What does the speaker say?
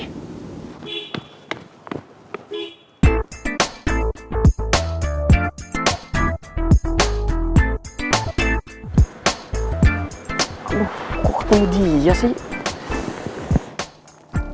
aduh seru banget nafas gue